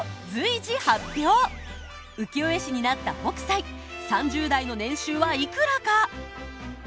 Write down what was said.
浮世絵師になった北斎３０代の年収はいくらか？